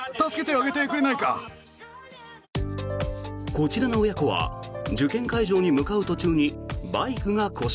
こちらの親子は受験会場に向かう途中にバイクが故障。